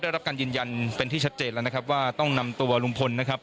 ได้รับการยืนยันเป็นที่ชัดเจนแล้วนะครับว่าต้องนำตัวลุงพลนะครับ